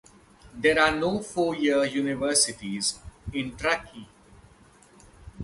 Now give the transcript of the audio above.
There are no four-year universities in Truckee.